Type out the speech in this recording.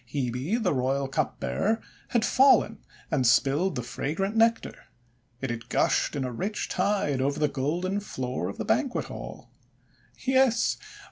Hebe, the royal cupbearer, had fallen and spilled the fragrant Nectar. It had gushed in a rich tide over the golden floor of the banquet hall. Yes!